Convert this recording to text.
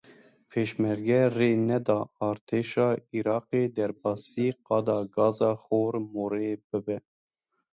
Pêşmerge rê neda artêşa Iraqê derbasî qada gaza Xor Morê bibe.